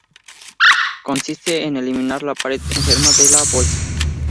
Consiste en eliminar la pared enferma de la bolsa.